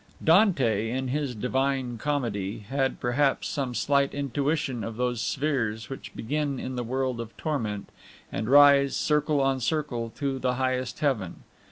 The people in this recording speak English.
Dante, in his Divine Comedy, had perhaps some slight intuition of those spheres which begin in the world of torment, and rise, circle on circle, to the highest heaven.